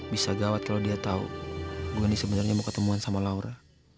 bisa gawat kalau dia tahu gue nih sebenarnya mau ketemuan sama laura